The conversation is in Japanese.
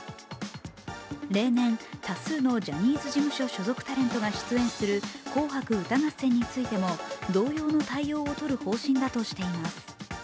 例年、多数のジャニーズ事務所所属タレントが出演する「紅白歌合戦」についても同様の対応をとる方針だとしています。